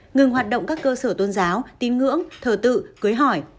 ngừng hoạt động các cơ sở tôn giáo tin ngưỡng thờ tự cưới hỏi